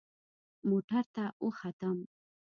موټر ته وختم.